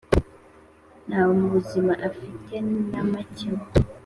nta buzima afite nta makemwa.